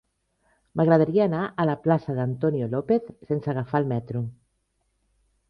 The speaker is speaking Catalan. M'agradaria anar a la plaça d'Antonio López sense agafar el metro.